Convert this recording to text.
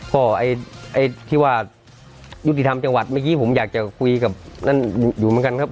ก็ไอ้ที่ว่ายุติธรรมจังหวัดเมื่อกี้ผมอยากจะคุยกับนั่นอยู่เหมือนกันครับ